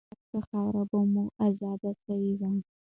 پاکه خاوره به مو آزاده سوې وه.